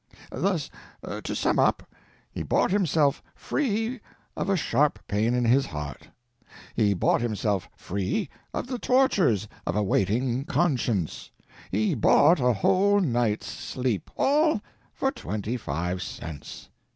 Thus, to sum up, he bought himself free of a sharp pain in his heart, he bought himself free of the tortures of a waiting conscience, he bought a whole night's sleep—all for twenty five cents!